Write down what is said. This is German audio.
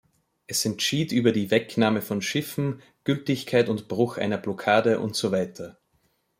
Es entschied über die Wegnahme von Schiffen, Gültigkeit und Bruch einer Blockade usw.